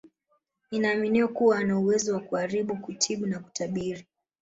Inaaminiwa kuwa anauwezo wa kuharibu kutibu na kutabiri